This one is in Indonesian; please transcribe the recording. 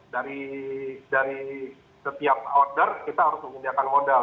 dari setiap order kita harus menghidapkan modal